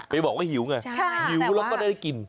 ไปบอกว่าหิวไงหิวแล้วก็ได้กิน